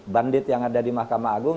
bandit yang ada di mahkamah agung